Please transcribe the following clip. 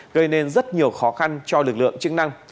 gây nên rất nhiều khó khăn cho lực lượng chức năng